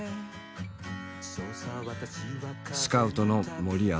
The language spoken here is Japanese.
スカウトの森淳。